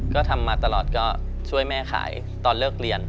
ก็ทำมาตลอดก็ช่วยแม่ขายตอนเลิกเรียน